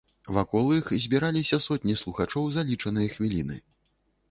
Вакол іх збіраліся сотні слухачоў за лічаныя хвіліны.